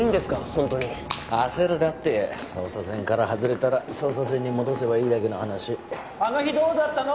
ホントに焦るなって捜査線から外れたら捜査線に戻せばいいだけの話あの日どうだったの？